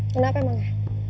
kenapa emang ya